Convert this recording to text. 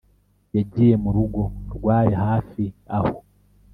yagiye mu rugo rwari hafi aho